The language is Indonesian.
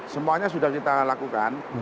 semuanya sudah kita lakukan